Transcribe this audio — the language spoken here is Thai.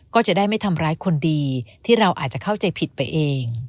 ก็จะได้ไม่ทำร้ายคนดีที่เราอาจจะเข้าใจผิดไปเอง